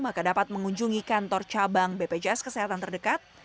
maka dapat mengunjungi kantor cabang bpjs kesehatan terdekat